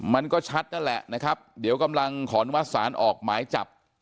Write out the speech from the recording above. มันก็ชัดนั่นแหละนะครับเดี๋ยวกำลังขออนุมัติศาลออกหมายจับ